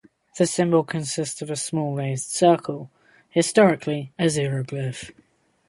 The symbol consists of a small raised circle, historically a zero glyph.